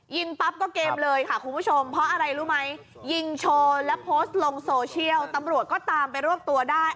ปั๊บก็เกมเลยค่ะคุณผู้ชมเพราะอะไรรู้ไหมยิงโชว์แล้วโพสต์ลงโซเชียลตำรวจก็ตามไปรวบตัวได้